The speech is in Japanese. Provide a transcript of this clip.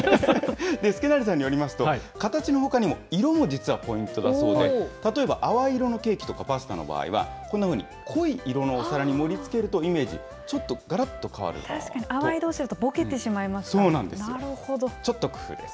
祐成さんによりますと、形のほかにも色も実はポイントだそうで、例えば淡い色のケーキとかパスタの場合は、こんなふうに濃い色のお皿に盛りつけるとイメージ、ち確かに、淡い色だとぼけてしちょっと工夫です。